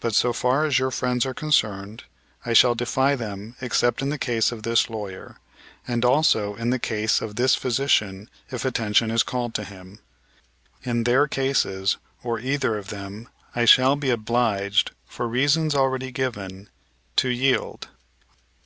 But, so far as your friends are concerned, I shall defy them except in the case of this lawyer, and also in the case of this physician if attention is called to him. In their cases, or either of them, I shall be obliged, for reasons already given; to yield."